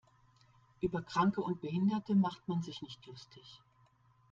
Über Kranke und Behinderte macht man sich nicht lustig.